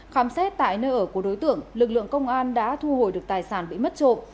khám xét tại nơi ở của đối tượng lực lượng công an đã thu hồi được tài sản bị mất trộm